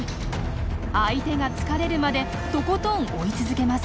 相手が疲れるまでとことん追い続けます。